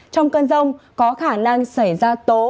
trong cơn rông có khả năng xảy ra tố